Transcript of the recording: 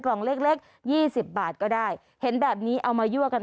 กล่องเล็กเล็กยี่สิบบาทก็ได้เห็นแบบนี้เอามายั่วกัน